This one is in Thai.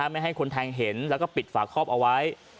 ไม่ให้คนแทงเห็นแล้วก็ปิดฝาคอบเอาไว้